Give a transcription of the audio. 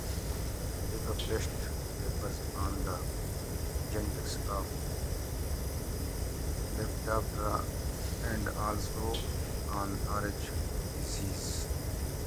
They published papers on the genetics of Lepidoptera and also on Rh disease.